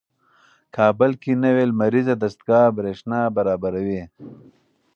کابل کې نوې لمریزه دستګاه برېښنا برابروي.